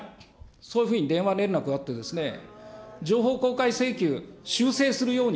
そういうふうに電話連絡があって、情報公開請求、修正するように。